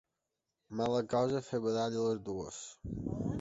Mala cosa és fer badall a les dues.